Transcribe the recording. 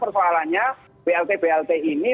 persoalannya blt blt ini